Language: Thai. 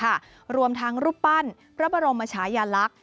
ค่ะรวมทางรูปปั้นระบบรมอาชาญารักษ์